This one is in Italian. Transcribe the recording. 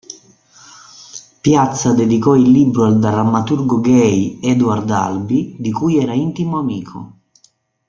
Piazza dedicò il libro al drammaturgo gay Edward Albee, di cui era intimo amico.